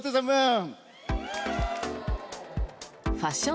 ファッション